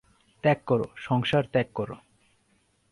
ত্যাগ কর, সংসার ত্যাগ কর।